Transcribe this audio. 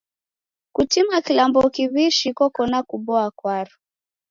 Kutima kilambo kiw'ishi koko na kuboa kwaro.